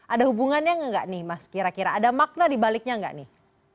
ada hubungannya enggak nih mas kira kira ada makna di baliknya enggak nih